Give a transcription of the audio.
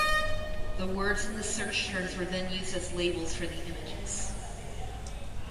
The words in the search terms were then used as labels for the images.